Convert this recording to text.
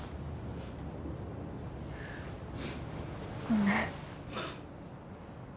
ごめん。